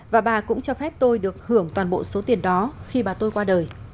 và bà cũng cho phép tôi được hưởng toàn bộ số tiền đó khi bà tôi qua đời